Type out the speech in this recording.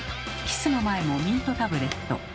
キスの前もミントタブレット。